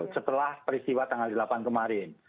setelah peristiwa tanggal delapan kemarin